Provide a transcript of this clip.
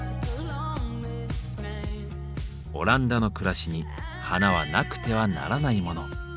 オランダの暮らしに花はなくてはならないモノ。